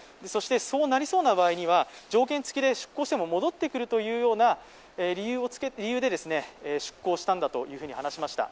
そうなりそうな場合には条件付きで出港しても戻ってくるというような理由で出港したんだと話しました。